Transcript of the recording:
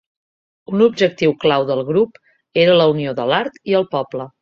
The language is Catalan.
Un objectiu clau del grup era la unió de l'art i el poble.